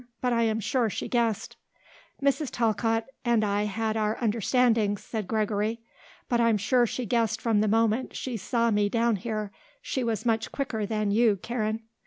"But I am sure she guessed." "Mrs. Talcott and I had our understandings," said Gregory, "but I'm sure she guessed from the moment she saw me down here. She was much quicker than you, Karen."